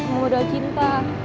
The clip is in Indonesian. kamu udah cinta